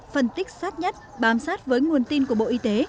phân tích sát nhất bám sát với nguồn tin của bộ y tế